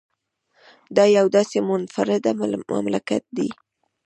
دا یو داسې منفرده مملکت دی